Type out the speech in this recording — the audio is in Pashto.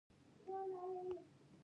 زه بو کور ته لوړ شم.